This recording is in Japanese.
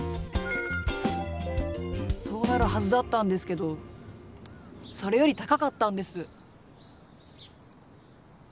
そうなるはずだったんですけどそれより高かったんです。